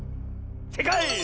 せいかい！